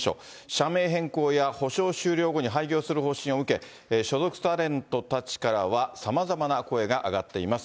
社名変更や補償終了後に廃業する方針を受け、所属タレントたちからはさまざまな声が上がっています。